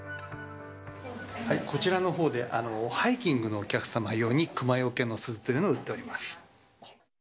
こちらのほうで、ハイキングのお客様用にクマよけの鈴というのを売っております。